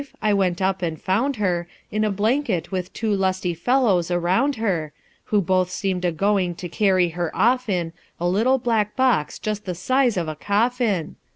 I went up and found her, In a blanket with two lusty fellows around her, Who both seem'd a going to carry her off in A little black box just the size of a coffin